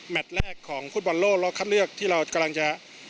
แรกของฟุตบอลโลกรอบคัดเลือกที่เรากำลังจะ